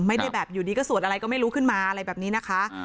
ไม่ได้แบบอยู่ดีก็สวดอะไรก็ไม่รู้ขึ้นมาอะไรแบบนี้นะคะ